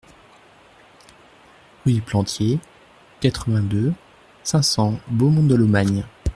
Rue du Plantié, quatre-vingt-deux, cinq cents Beaumont-de-Lomagne